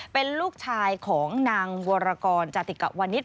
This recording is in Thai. เป็นลูกชายของนางวรกรจติกะวันิษฐ